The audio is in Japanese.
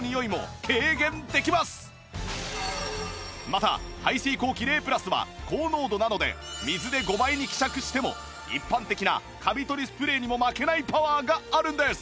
また排水口キレイプラスは高濃度なので水で５倍に希釈しても一般的なカビ取りスプレーにも負けないパワーがあるんです